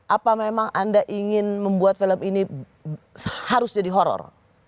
apa memang anda ingin membuat film ini harus jadi horror